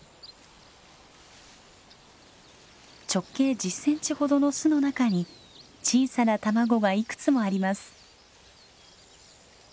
直径１０センチほどの巣の中に小さな卵がいくつもあります。